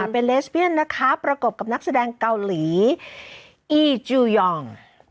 เป็นเลสเปียนนะคะประกบกับนักแสดงเกาหลีอีจูยอง